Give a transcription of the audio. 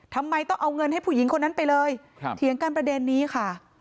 ทำไมต้องเอาเงินให้ผู้หญิงคนนั้นไปเลยเถียงกันประเด็นนี้ค่ะ